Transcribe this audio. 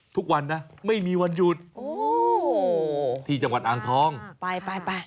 ทุกวันนะไม่มีวันหยุดโอ้ที่จังหวัดอ่างทองไปไป